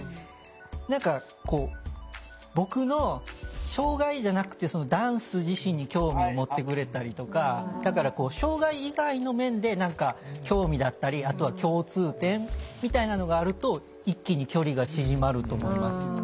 何か僕の障害じゃなくてダンス自身に興味を持ってくれたりとかだから障害以外の面で何か興味だったりあとは共通点みたいなのがあると一気に距離が縮まると思います。